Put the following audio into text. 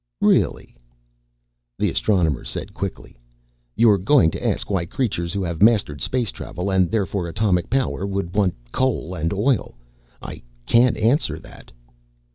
"Really?" The Astronomer said, quickly, "You are going to ask why creatures who have mastered space travel, and therefore atomic power, would want coal and oil. I can't answer that."